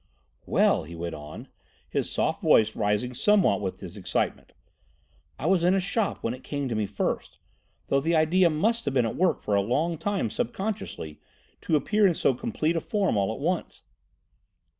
"Well," he went on, his soft voice rising somewhat with his excitement, "I was in a shop when it came to me first—though the idea must have been at work for a long time subconsciously to appear in so complete a form all at once.